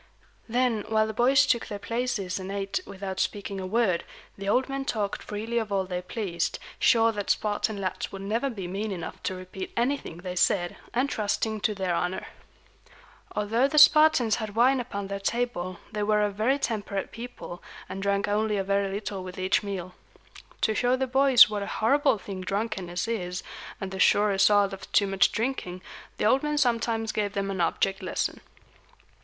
Then, while the boys took their places and ate without speaking a word, the old men talked freely of all they pleased, sure that Spartan lads would never be mean enough to repeat anything they said, and trusting to their honor. Although the Spartans had wine upon their table, they were a very temperate people, and drank only a very little with each meal. To show the boys what a horrible thing drunkenness is, and the sure result of too much drinking, the old men sometimes gave them an object lesson.